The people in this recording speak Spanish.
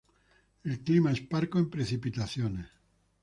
El clima es parco en precipitaciones.